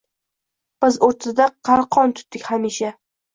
Biz o’rtada qalqon tutdik hamisha